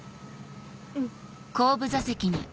うん。